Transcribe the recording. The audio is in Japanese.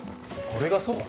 これがそば。